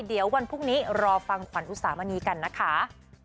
เดี๋ยววันพรุ่งนี้รอฟังขวัญอุสามณีกันนะคะ